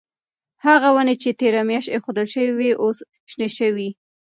هغه ونې چې تیره میاشت ایښودل شوې وې اوس شنې شوې.